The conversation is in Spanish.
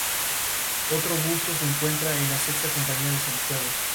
Otro busto se encuentra en la sexta compañía de Santiago.